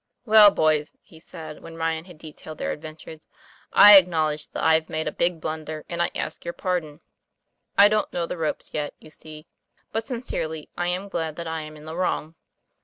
'Well, boys," he said, when Ryan had detailed their adventures, "I acknowledge that I've made a big blunder, and I ask your pardon. I don't know the ropes yet, you see. But sincerely, I am glad that I am in the wrong."